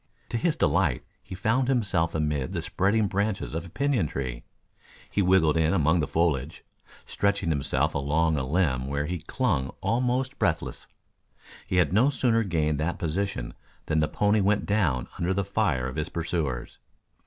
To his delight he found himself amid the spreading branches of a pinon tree. He wriggled in among the foliage, stretching himself along a limb, where he clung almost breathless. He had no sooner gained that position than the pony went down under the fire of his pursuers.